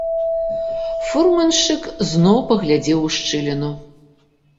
Фурманшчык зноў паглядзеў у шчыліну.